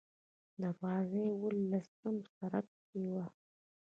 دروازه یې اوولسم سړک کې وه.